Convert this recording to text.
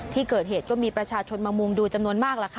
ที่เกิดเหตุก็มีประชาชนมามุงดูจำนวนมากล่ะค่ะ